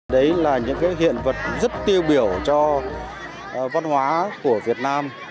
đấy là những hiện vật rất tiêu biểu cho văn hóa của việt nam